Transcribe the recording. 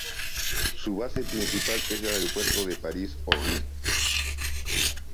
Su base principal es el aeropuerto de París-Orly.